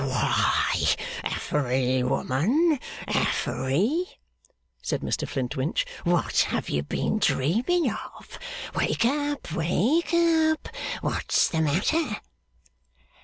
'Why, Affery, woman Affery!' said Mr Flintwinch. 'What have you been dreaming of? Wake up, wake up! What's the matter?